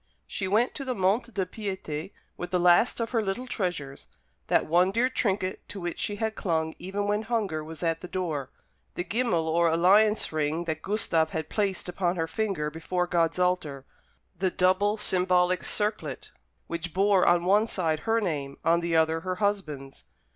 She went to the Monte de Piété with the last of her little treasures, that one dear trinket to which she had clung even when hunger was at the door the gimmal or alliance ring that Gustave had placed upon her finger before God's altar the double symbolic circlet which bore on one side her name, on the other her husband's.